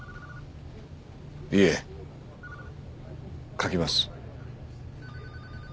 いえ書きます。